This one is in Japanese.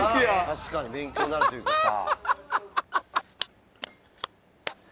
確かに勉強になるというかさ